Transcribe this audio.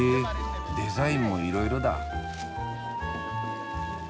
デザインもいろいろだ。